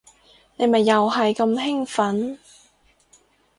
你咪又係咁興奮